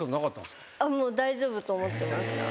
大丈夫と思ってました。